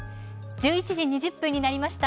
１１時２０分になりました。